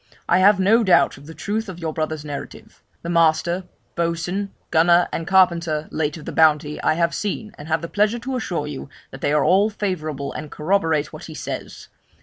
I have no doubt of the truth of your brother's narrative; the master, boatswain, gunner, and carpenter, late of the Bounty, I have seen, and have the pleasure to assure you that they are all favourable, and corroborate what he says.